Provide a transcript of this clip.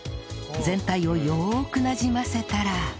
全体をよーくなじませたら